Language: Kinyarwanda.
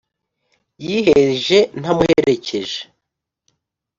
Yiheje ntamuherekeje